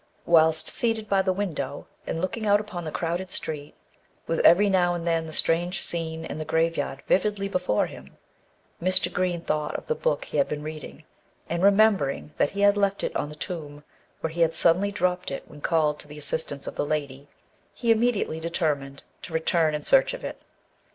Whilst seated by the window, and looking out upon the crowded street, with every now and then the strange scene in the grave yard vividly before him, Mr. Green thought of the book he had been reading, and, remembering that he had left it on the tomb, where he had suddenly dropped it when called to the assistance of the lady, he immediately determined to return in search of it.